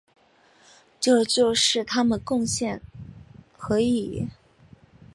这就是他们的贡献和意义。